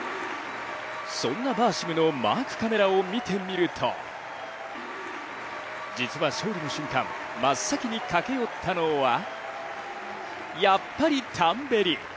そんなバーシムのマークカメラを見てみると、実は勝利の瞬間、真っ先に駆け寄ったのはやっぱりタンベリ。